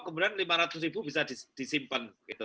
kemudian lima ratus ribu bisa disimpan gitu